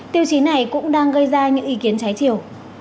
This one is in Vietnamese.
tiêu chí này cũng đang gây ra những ý kiến trái chiều